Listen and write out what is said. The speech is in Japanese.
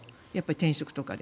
転職とかで。